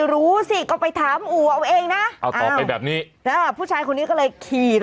หนูกำลังมุ่งหน้าเข้าแฟชั่นค่ะพี่